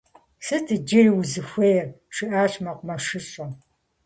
- Сыт иджыри узыхуейр? - жиӏащ мэкъумэшыщӏэм.